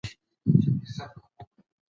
هغه څوک چي ډېر کار کوي بریالی کيږي.